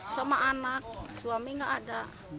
sama anak suami nggak ada